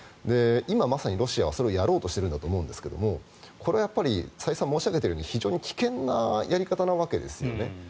今まさにロシアはそれをやろうとしているんだと思うんですがこれは再三申し上げているように非常に危険なやり方なわけですね。